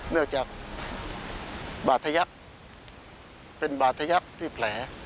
เนื่องจากบาธยักษ์เป็นบาดทะยักษ์ที่แผล